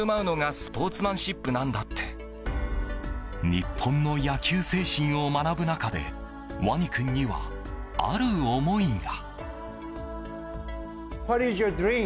日本の野球精神を学ぶ中でワニ君には、ある思いが。